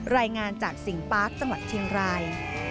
รายงานจากสิงปาร์คจังหวัดเชียงราย